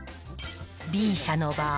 Ｂ社の場合。